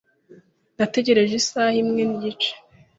Nategereje isaha imwe nigice.